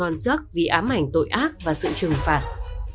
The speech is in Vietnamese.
hãy đăng ký kênh để ủng hộ kênh của mình nhé